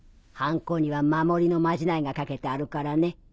ハンコには守りのまじないがかけてあるからね。